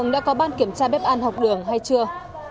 đã có ban kiểm tra bếp ăn học đường hay chưa